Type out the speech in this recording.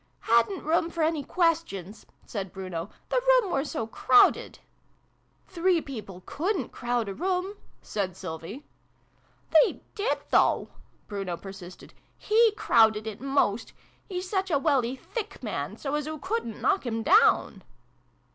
" Hadn't room for any questions," said Bruno. " The room were so crowded." " Three people couldrit crowd a room," said Sylvie. "They did, though," Bruno persisted. "He crowded it most. He's such a welly thick man so as oo couldn't knock him down."